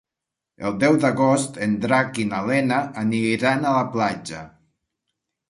El deu d'agost en Drac i na Lena aniran a la platja.